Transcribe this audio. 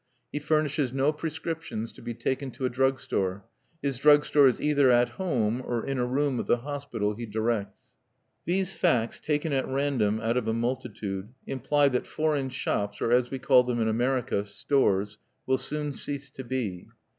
He furnishes no prescriptions to be taken to a drugstore: his drugstore is either at home or in a room of the hospital he directs. These facts, taken at random out of a multitude, imply that foreign shops or as we call them in America, "stores," will soon cease to be.